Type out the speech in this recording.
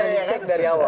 yang bisa dicek dari awal